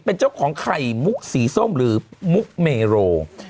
เป็นเจ้าของไข่มุกสีส้มหรือมุกเมโร